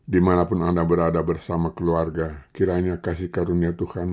dimanapun anda berada bersama keluarga kiranya kasih karunya tuhan